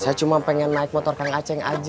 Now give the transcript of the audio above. saya cuma pengen naik motor kang aceng aja